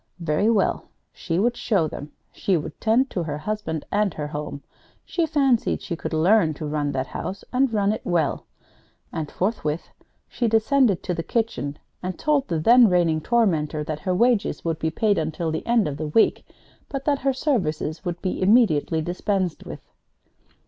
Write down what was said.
Very well, she would show them. She would tend to her husband and her home. She fancied she could learn to run that house, and run it well! And forthwith she descended to the kitchen and told the then reigning tormentor that her wages would be paid until the end of the week, but that her services would be immediately dispensed with.